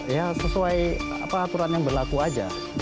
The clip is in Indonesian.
ya sesuai aturan yang berlaku aja